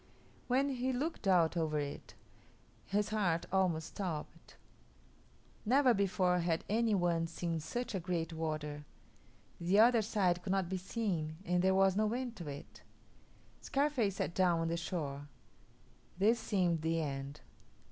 When he looked out over it, his heart almost stopped. Never before had any one seen such a great water. The other side could not be seen and there was no end to it. Scarface sat down on the shore. This seemed the end.